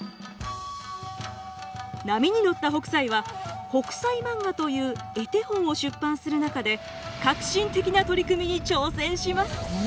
波に乗った北斎は「北斎漫画」という絵手本を出版する中で革新的な取り組みに挑戦します。